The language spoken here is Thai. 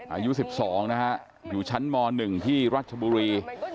อายุ๑๒นะฮะอยู่ชั้นม๑ที่รัชบุรี